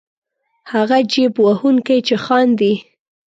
هغه جېب وهونکی چې خاندي.